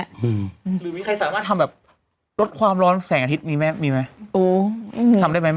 หรือมีใครสามารถทำแบบลดความร้อนแสงอาทิตย์มีไหมมีไหมโอ้อืมทำได้ไหม